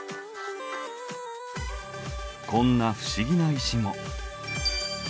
こんな不思議な石も。